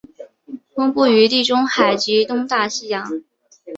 分布于地中海及东大西洋。